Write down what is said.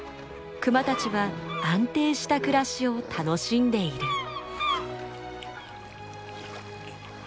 クマたちは安定した暮らしを楽しんでいる。